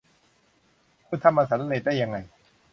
คุณทำมันสำเร็จได้ยังไง